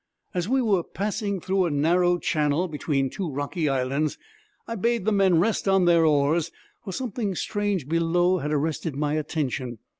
'As we were passing through a narrow channel between two rocky islands, I bade the men rest on their oars, for something strange below had arrested my attention.